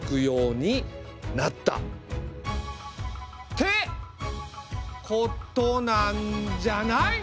てことなんじゃない？